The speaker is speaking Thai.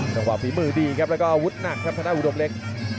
ฝีมือดีครับแล้วก็อาวุธหนักครับทางด้านอุดมเล็ก